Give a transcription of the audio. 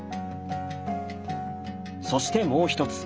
そしてもう一つ。